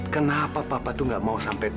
kenapa papa itu gak mau sampai